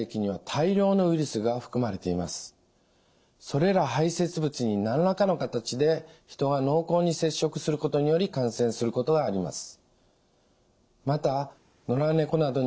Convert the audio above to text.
それら排せつ物に何らかの形で人が濃厚に接触することにより感染することがあります。